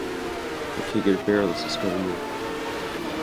Bhí chuile iarrthóir sa tír ag fanacht ar an bhfógra.